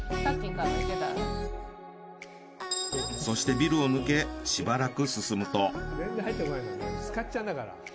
そしてビルを抜けしばらく進むと。